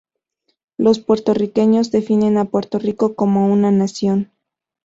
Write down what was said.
Los puertorriqueños definen a Puerto Rico como una Nación.